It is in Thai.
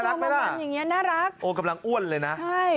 น่ารักปะล่ะโอ้กำลังอ้วนเลยนะ